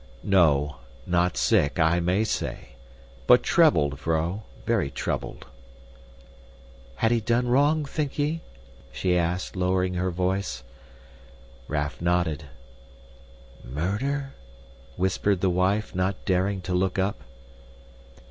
"No, not sick, I may say; but troubled, vrouw, very troubled." "Had he done wrong, think ye?" she asked, lowering her voice. Raff nodded. "MURDER?" whispered the wife, not daring to look up.